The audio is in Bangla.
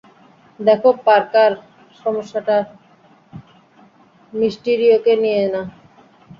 দ্যাখো, পার্কার, সমস্যাটা মিস্টিরিওকে নিয়ে না।